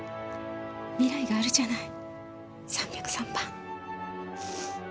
未来があるじゃない３０３番。